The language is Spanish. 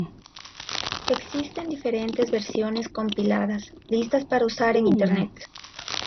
Existen diferentes versiones compiladas listas para usar en Internet.